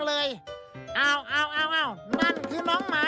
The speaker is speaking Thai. สีสันข่าวชาวไทยรัฐมาแล้วครับ